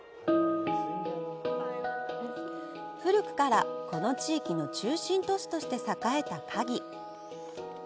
古くからこの地域の中心都市として栄えた嘉義。